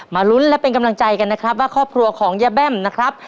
ลุ้นและเป็นกำลังใจกันนะครับว่าครอบครัวของย่าแบ้มนะครับ